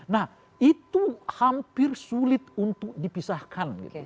nah itu hampir sulit untuk dipisahkan